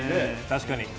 確かに。